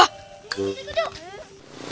coba kita jalan dulu